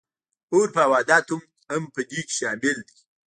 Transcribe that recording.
عرف او عادت هم په دې کې شامل دي.